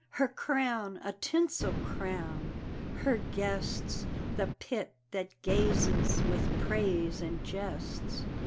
Her crown a tinsel crown her guests The pit that gazes with praise and jests?